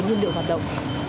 nhân liệu hoạt động